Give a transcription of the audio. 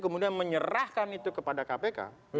kemudian menyerahkan itu kepada kpk